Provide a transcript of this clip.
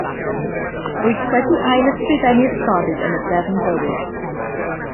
Rwyt wedi ail ysgrifennu'r stori yn y drefn gywir